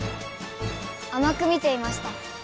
あまく見ていました。